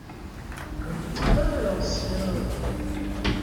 Comme t'y vas, l'ancien !